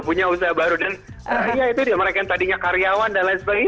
punya usaha baru dan ya itu dia mereka yang tadinya karyawan dan lain sebagainya